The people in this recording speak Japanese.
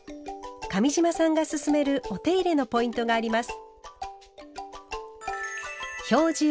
上島さんがすすめるお手入れのポイントがあります。